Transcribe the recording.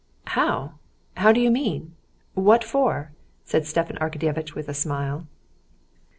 "How? How do you mean? What for?" said Stepan Arkadyevitch with a smile.